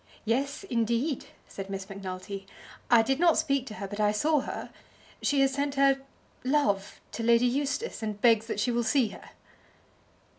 "Yes, indeed!" said Miss Macnulty. "I did not speak to her, but I saw her. She has sent her love to Lady Eustace, and begs that she will see her."